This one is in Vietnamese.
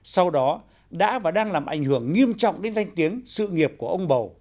sau đó đã và đang làm ảnh hưởng nghiêm trọng đến danh tiếng sự nghiệp của ông bầu